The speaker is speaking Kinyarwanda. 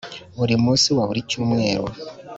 buri munsi wa buri cyumweru,